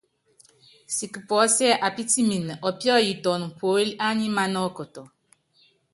Siki puɔ́síɛ apítiminɛ ɔpíɔ́yitɔnɔ puólí ányímaná ɔkɔtɔ.